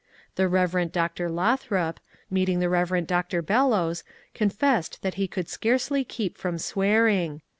The Rev. Dr. Lothrop, meeting the Rev. Dr. Bellows, confessed that he could scarcely keep from swearing.